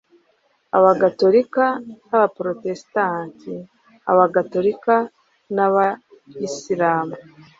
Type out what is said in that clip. abagatolika n'abaprotestanti, abagatolika n'abayisilamu...